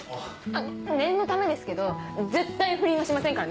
念のためですけど絶対不倫はしませんからね。